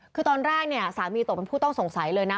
คือตอนแรกเนี่ยสามีตกเป็นผู้ต้องสงสัยเลยนะ